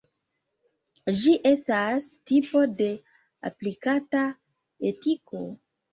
Ĝi estas tipo de aplikata etiko.